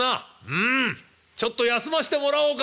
「うんちょっと休ましてもらおうか。